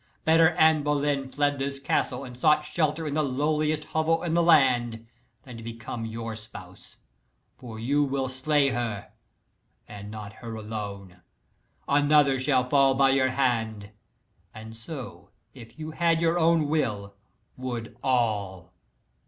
Better Anne Boleyn fled this castle, and sought shelter in the lowliest hovel in the land, than become your spouse. For you will slay her and not her alone. Another shall fall by your hand; and so, if you had your own will, would all!"